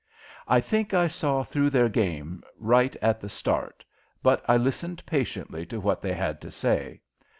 I think I saw through their game right at the start, but I listened patiently to what they had to say.